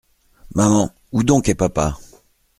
Maman, où donc est papa ?